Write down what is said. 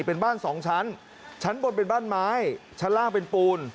เป็นบ้านสองชั้นชั้นบนเป็นบ้านไม้ชั้นล่างเป็นปูน